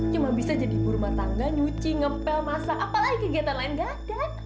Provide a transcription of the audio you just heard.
cuma bisa jadi ibu rumah tangga nyuci ngepel masak apalagi kegiatan lain gak ada